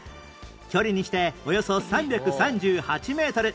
距離にしておよそ３３８メートル